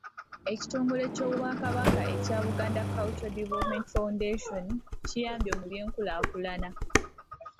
Ekitongole ky’Obwakabaka ekya Buganda Cultural Development Foundation kiyambye mu by'enkulaakulana.